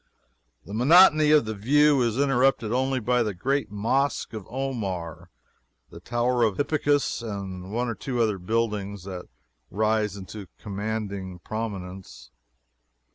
The monotony of the view is interrupted only by the great Mosque of Omar, the Tower of Hippicus, and one or two other buildings that rise into commanding prominence.